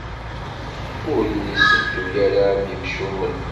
Ur iyi-ssedduy ara d yimcumen.